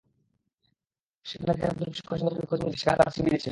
যেখানে যেখানে তাঁদের প্রশিক্ষণের সঙ্গে চাকরির খোঁজ মিলছে, সেখানে তাঁরা সিভি দিচ্ছেন।